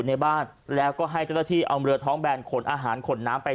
ในบ้านแล้วก็ให้เจ้าหน้าที่เอาเรือท้องแบนขนอาหารขนน้ำไป